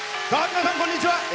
皆さん、こんにちは。